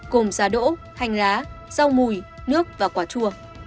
gồm giá đỗ hành lá rau mùi nước và quả chua